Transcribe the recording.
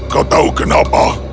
kau tahu kenapa